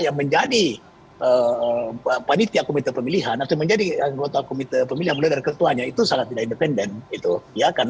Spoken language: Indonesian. gita kep mallard kertenyei pak